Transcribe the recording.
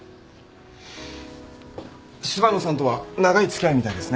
柴野さんとは長い付き合いみたいですね。